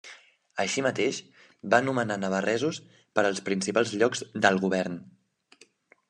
Així mateix, va nomenar navarresos per als principals llocs del govern.